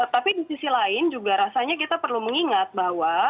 tapi di sisi lain juga rasanya kita perlu mengingat bahwa